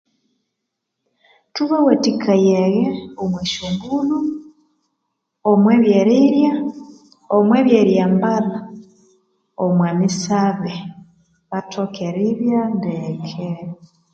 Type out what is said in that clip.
Thubawathikaye'ghe omusy'ombulho, omubyerirya, omu byeryambalha, omwa misabe, bathoke eribya ndeke